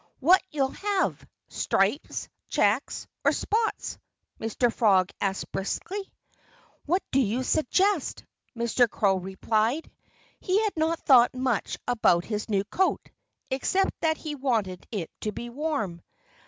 "What'll you have stripes, checks, or spots?" Mr. Frog asked briskly. "What do you suggest?" Mr. Crow replied. He had not thought much about his new coat except that he wanted it to be warm.